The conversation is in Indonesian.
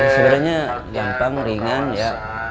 sebenarnya gampang ringan ya